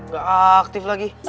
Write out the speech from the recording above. gak aktif lagi